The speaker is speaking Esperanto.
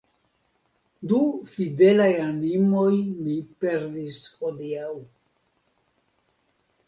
Du fidelaj animoj mi perdis hodiaŭ.